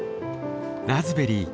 ラズベリー。